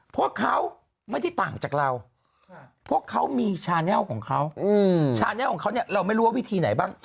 พวกเขาไม่ได้ต่างจากเราพวกเขามีชาแนลของเขาชาแนลของเขาเนี่ยเราไม่รู้ว่าวิธีไหนบ้าง